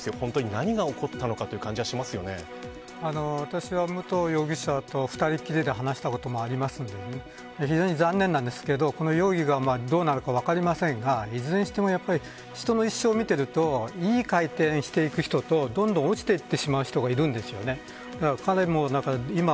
何が起こったのか私は武藤容疑者と２人きりで話したこともありますので非常に残念ですがこの容疑がどうなるか分かりませんがいずれにしても人の人生っていい回転をしていく人とどんどん落ちていく人がいるんです。